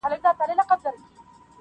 • هر انسان به خپل عیبونه سمولای -